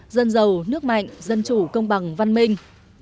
dân giàu nước mạnh dân chủ công bằng văn minh